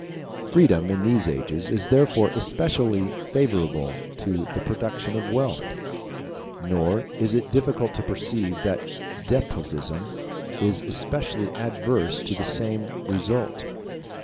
Freedom, in these ages, is therefore especially favorable to the production of wealth; nor is it difficult to perceive that despotism is especially adverse to the same result.